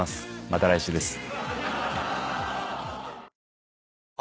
また来週です。